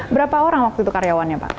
berapa orang waktu itu karyawannya pak